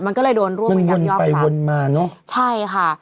มันก็เลยโดนร่วมกันยังยอมซักมันวนไปวนมาเนอะใช่ค่ะ